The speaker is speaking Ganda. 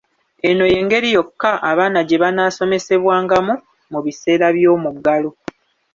Eno y'engeri yokka abaana gye banaasomesebwangamu mu biseera by'omuggalo.